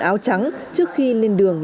áo trắng trước khi lên đường